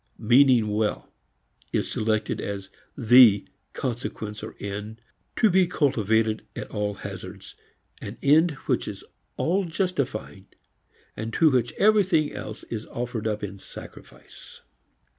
"Meaning well" is selected as the consequence or end to be cultivated at all hazards, an end which is all justifying and to which everything else is offered up in sacrifice.